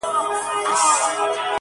مه راته وايه چي د کار خبري ډي ښې دي-